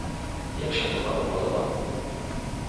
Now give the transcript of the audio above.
"Jak się to panu podoba?..."